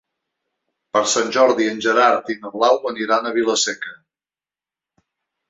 Per Sant Jordi en Gerard i na Blau aniran a Vila-seca.